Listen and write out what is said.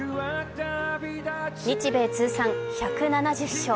日米通算１７０勝。